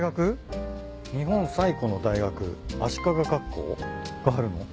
「日本最古ノ大学足利学校」があるの？